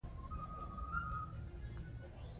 د مينې نورې ملګرې هم د هغې ليدلو ته تلې راتلې